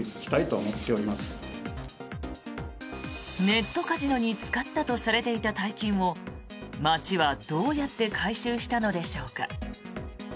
ネットカジノに使ったとされていた大金を町はどうやって回収したのでしょうか。